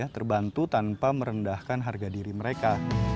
terbantu tanpa merendahkan harga diri mereka